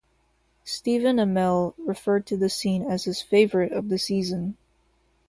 Stephen Amell referred to the scene as his favorite of the season.